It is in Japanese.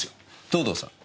藤堂さん。